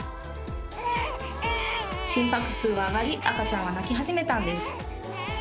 心拍数は上がり赤ちゃんは泣き始めたんです。